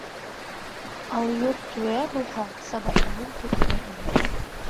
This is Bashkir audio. Алйот түрә булһа, сабатаһын түргә элә.